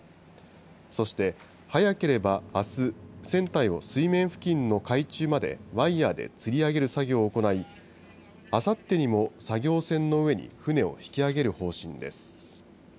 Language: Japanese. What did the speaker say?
そして、早ければあす、船体を水面付近の海中までワイヤーでつり上げる作業を行い、あさってにも作業船の上に船を引き揚げる方針です。